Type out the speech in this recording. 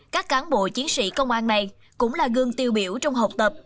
các cán bộ chiến sĩ công an này cũng là gương tiêu biểu trong học tập